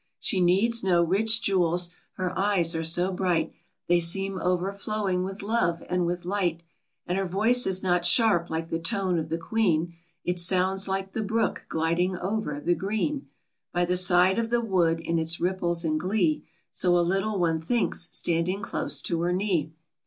She needs no rich jewels; her eyes are so bright, They seem overflowing with love, and with light ; And her voice is not sharp like the tone of the Queen ; It sounds like the brook gliding over the green, By the side of the wood, in its ripples and glee ; So a little one thinks, standing close to her knee.